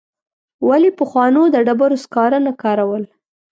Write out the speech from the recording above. ولي پخوانو د ډبرو سکاره نه کارول؟